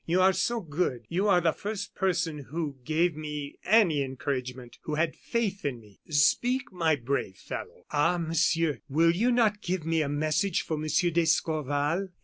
"You are so good; you are the first person who gave me any encouragement who had faith in me." "Speak, my brave fellow." "Ah! Monsieur, will you not give me a message for Monsieur d'Escorval?